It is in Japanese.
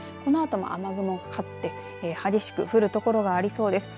このあとも雨雲がかかって激しく降る所がありそうです。